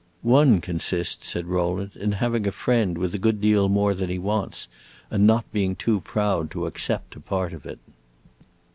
"One consists," said Rowland, "in having a friend with a good deal more than he wants, and not being too proud to accept a part of it."